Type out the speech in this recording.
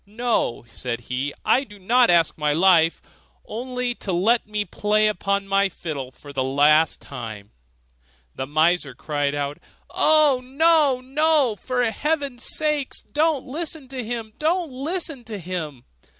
'No,' said he, 'I do not ask my life; only to let me play upon my fiddle for the last time.' The miser cried out, 'Oh, no! no! for heaven's sake don't listen to him! don't listen to him!